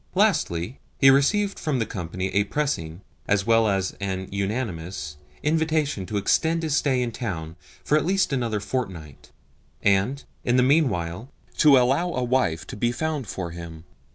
Lastly, he received from the company a pressing, as well as an unanimous, invitation to extend his stay in town for at least another fortnight, and, in the meanwhile, to allow a wife to be found for him.